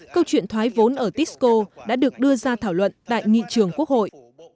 câu chuyện thoái vốn ở tisco đã được đưa ra thảo luận tại nghị trường quốc hội